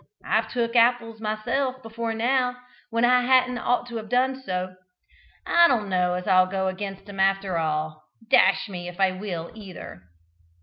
I've took apples myself, before now, when I hadn't ought to have done so. I don't know as I'll go against them after all! Dash me if I will, either!"